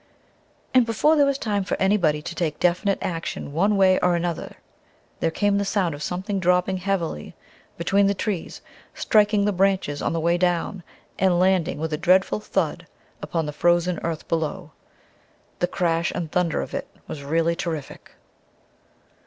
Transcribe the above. And before there was time for anybody to take definite action one way or another, there came the sound of something dropping heavily between the trees, striking the branches on the way down, and landing with a dreadful thud upon the frozen earth below. The crash and thunder of it was really terrific.